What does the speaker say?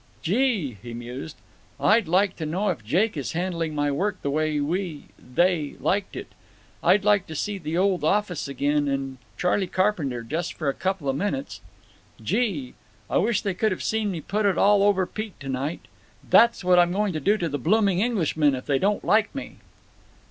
"Gee!" he mused, "I'd like to know if Jake is handling my work the way we—they—like it. I'd like to see the old office again, and Charley Carpenter, just for a couple of minutes. Gee! I wish they could have seen me put it all over Pete to night! That's what I'm going to do to the blooming Englishmen if they don't like me."